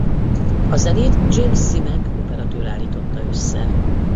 A zenét James Simak operatőr állította össze.